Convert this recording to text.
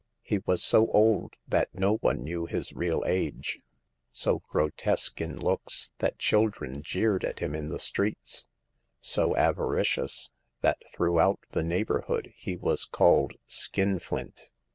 He was so old that no one knew his real age ; so grotesque in looks that children jeered at him in the streets ; so avaricious that throughout the neighborhood he was called Skinflint."